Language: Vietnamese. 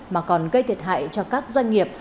mà còn gây thiệt hại cho các doanh nghiệp